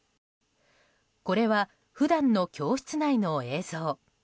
これは普段の教室内の映像。